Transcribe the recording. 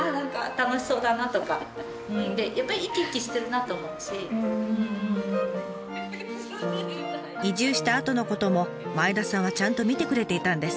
何だろうでも移住したあとのことも前田さんはちゃんと見てくれていたんです。